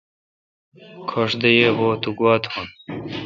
کھیش ی بو تو گوا توُن۔